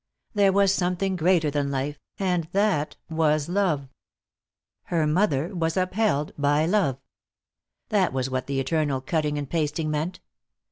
There was something greater than life, and that was love. Her mother was upheld by love. That was what the eternal cutting and pasting meant.